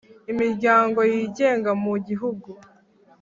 imiryango yigenga mu gihugu